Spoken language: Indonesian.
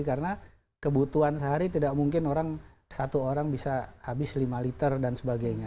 karena kebutuhan sehari tidak mungkin satu orang bisa habis lima liter dan sebagainya